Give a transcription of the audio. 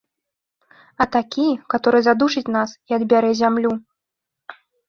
А такі, каторы задушыць нас і адбярэ зямлю.